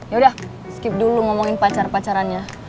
ya udah skip dulu ngomongin pacar pacarannya